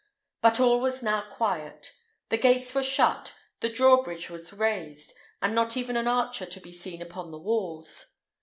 But all was now quiet: the gates were shut, the drawbridge was raised, and not even an archer to be seen upon the walls.